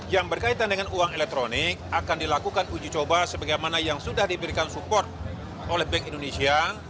yang berkaitan dengan uang elektronik akan dilakukan uji coba sebagaimana yang sudah diberikan support oleh bank indonesia